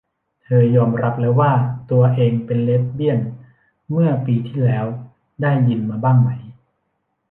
เธอยอมรับแล้วว่าตัวเองเป็นเลสเบียนเมื่อปีที่แล้ว ได้ยินมาบ้างไหม ?